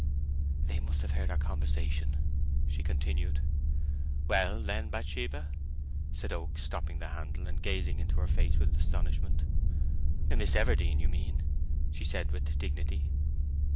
"They must have heard our conversation," she continued. "Well, then, Bathsheba!" said Oak, stopping the handle, and gazing into her face with astonishment. "Miss Everdene, you mean," she said, with dignity.